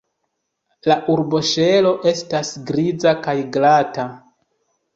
La arboŝelo estas griza kaj glata.